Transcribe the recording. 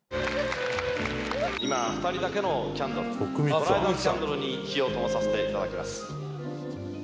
今２人だけのキャンドルブライダルキャンドルに火をともさせて頂きます。